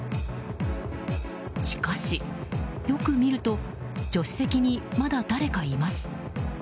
しかし、よく見ると助手席にまだ誰かいます。